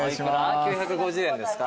９５０円ですか？